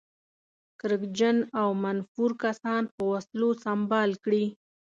کرکجن او منفور کسان په وسلو سمبال کړي.